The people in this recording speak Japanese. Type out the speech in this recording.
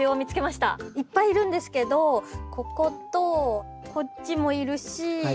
いっぱいいるんですけどこことこっちもいるし